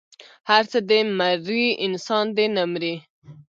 هر څه دې مري انسانيت دې نه مري